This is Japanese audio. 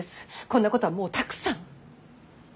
こんなことはもうたくさん！